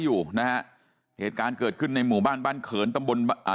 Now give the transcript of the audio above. อยู่นะฮะเหตุการณ์เกิดขึ้นในหมู่บ้านบ้านเขินตำบลอ่า